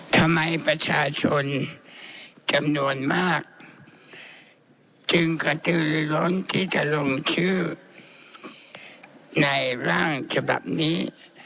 ทำไมประชาชนจำนวนมากจึงกระตือร้นที่จะลงชื่อในร่างฉบับนี้